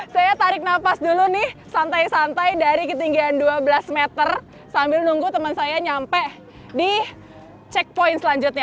saya tarik napas dulu nih santai santai dari ketinggian dua belas meter sambil nunggu teman saya nyampe di checkpoint selanjutnya